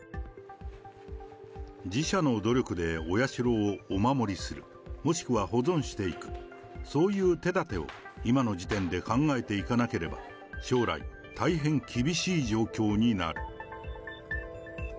自社の努力でお社をお守りする、もしくは保存していく、そういう手だてを今の時点で考えていかなければ、将来大変厳しい状況になる。